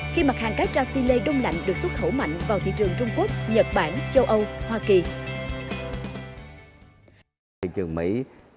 khi mặt hàng cá tra phi lê đông lạnh được xuất khẩu mạnh vào thị trường trung quốc nhật bản châu âu hoa kỳ